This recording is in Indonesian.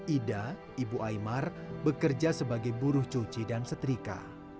ida ibu aymar bekerja sebagai buruh cuci dan setrika